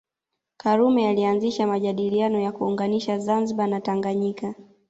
Karume alianzisha majadiliano ya kuunganisha Zanzibar na Tanganyika